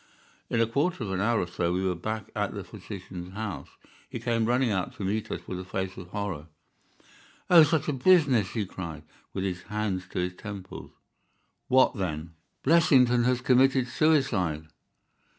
In a quarter of an hour or so we were back at the physician's house. He came running out to meet us with a face of horror. "Oh, such a business!" he cried, with his hands to his temples. "What then?" "Blessington has committed suicide!"